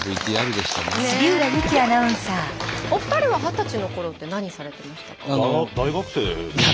お二人は二十歳のころって何されてましたか？